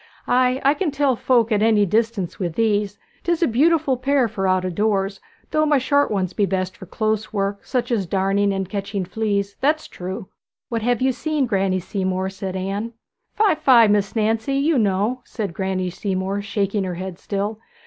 Ay, I can tell folk at any distance with these 'tis a beautiful pair for out o' doors; though my short ones be best for close work, such as darning, and catching fleas, that's true.' 'What have you seen, Granny Seamore?' said Anne. 'Fie, fie, Miss Nancy! you know,' said Granny Seamore, shaking her head still.